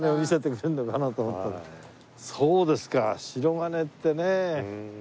そうですか白金ってね。